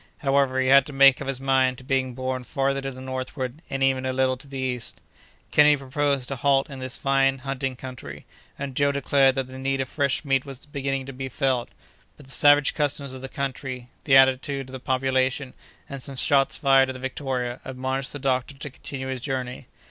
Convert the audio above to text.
However, he had to make up his mind to being borne farther to the northward and even a little to the east. Kennedy proposed to halt in this fine hunting country, and Joe declared that the need of fresh meat was beginning to be felt; but the savage customs of the country, the attitude of the population, and some shots fired at the Victoria, admonished the doctor to continue his journey.